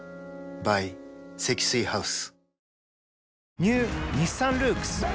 ｂｙ 積水ハウス